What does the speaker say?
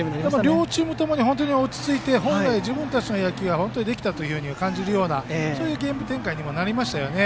両チーム共に落ち着いて自分たちの本来の野球ができたと感じるようなゲーム展開にもなりましたよね。